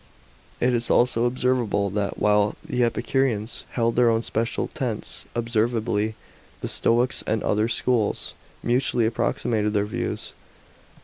f It is also observable that, while the Epicureans held their own special tenets exclusively, the Stoics and other schools mutually approximated their views.